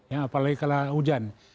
apalagi kalau hujan